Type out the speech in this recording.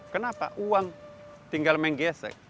kenapa uang tinggal main gesek